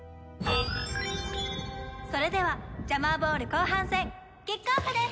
それではジャマーボール後半戦キックオフです！